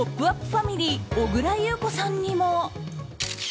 ファミリー小倉優子さんにも。